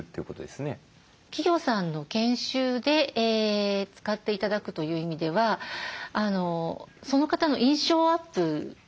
企業さんの研修で使って頂くという意味ではその方の印象アップですね。